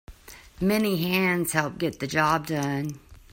Many hands help get the job done.